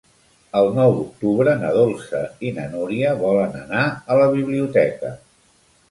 El nou d'octubre na Dolça i na Núria volen anar a la biblioteca.